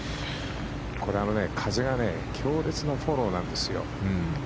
風が強烈なフォローなんですよ。